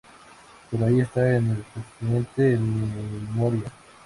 Pero ahí están, en el expediente y en mi memoria".